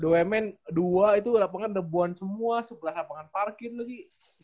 bumn dua itu lapangan debuan semua sebelah lapangan parkir lagi